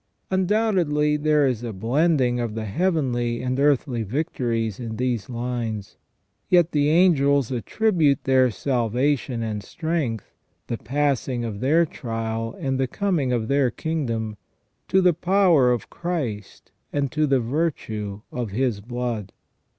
Undoubtedly there is a blending of the heavenly and earthly victories in these lines ; yet the angels attri bute their salvation and strength, the passing of their trial and the coming of their kingdom, to the power of Christ and to the virtue of His blood.